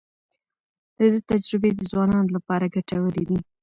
د ده تجربې د ځوانانو لپاره ګټورې دي.